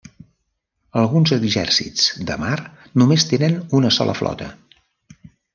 Alguns exèrcits de mar només tenen una sola flota.